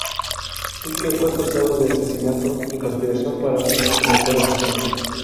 Pike fue acusada de asesinato y conspiración para cometer asesinato.